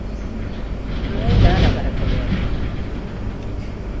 No hay nada para comer.